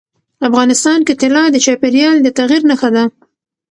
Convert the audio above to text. افغانستان کې طلا د چاپېریال د تغیر نښه ده.